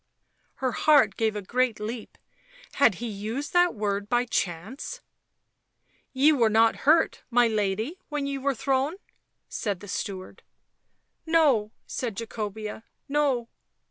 Her heart gave a great leap — had he used that word by chance " Ye were not hurt, my lady, when ye were thrown ?" said the steward. " No," said Jacobea, " no."